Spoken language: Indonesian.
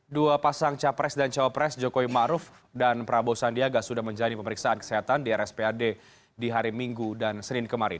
dua pasang capres dan cawapres jokowi ⁇ maruf ⁇ dan prabowo sandiaga sudah menjalani pemeriksaan kesehatan di rspad di hari minggu dan senin kemarin